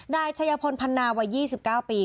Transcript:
นายชัยพลพันนาวัย๒๙ปี